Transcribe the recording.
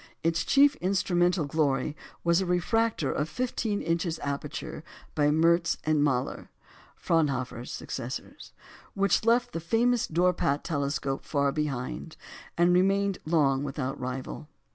Its chief instrumental glory was a refractor of fifteen inches aperture by Merz and Mahler (Fraunhofer's successors), which left the famous Dorpat telescope far behind, and remained long without a rival.